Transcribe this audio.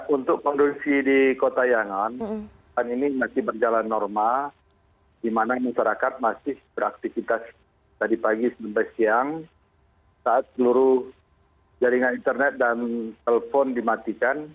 untuk kondisi di kota yangon ini masih berjalan normal di mana masyarakat masih beraktivitas tadi pagi sampai siang saat seluruh jaringan internet dan telpon dimatikan